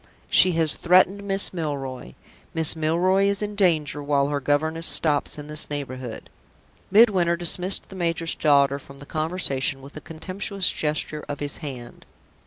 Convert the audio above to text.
She has threatened Miss Milroy. Miss Milroy is in danger while her governess stops in this neighborhood." Midwinter dismissed the major's daughter from the conversation with a contemptuous gesture of his hand.